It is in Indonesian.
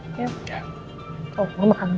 omu aku gak bisa berhubungan dengan andin ya